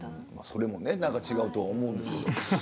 それもなんか違うと思うんですけど。